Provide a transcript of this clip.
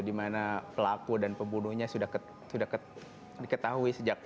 di mana pelaku dan pembunuhnya sudah diketahui sejak